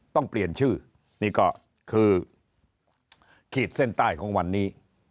ต้องเปลี่ยนชื่อนี่ก็คือขีดเส้นใต้ของวันนี้